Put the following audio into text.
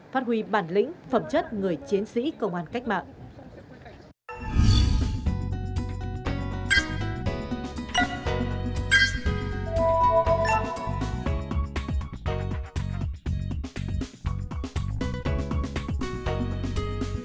phát huy bản lĩnh phẩm chất người chiến sĩ công an cách mạng